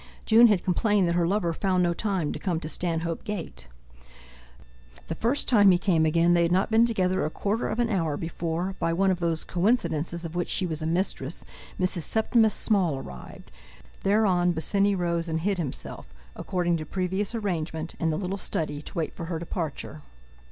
June had complained that her lover found no time to come to Stanhope Gate. The first time he came again they had not been together a quarter of an hour before, by one of those coincidences of which she was a mistress, Mrs. Septimus Small arrived. Thereon Bosinney rose and hid himself, according to previous arrangement, in the little study, to wait for her departure.